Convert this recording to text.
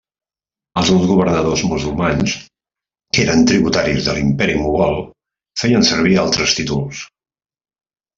Alguns governadors musulmans que eren tributaris de l'imperi mogol, feien servir altres títols.